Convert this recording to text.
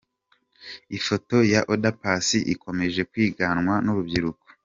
Ifoto ya Oda Paccy ikomeje kwiganwa n’urubyiruko.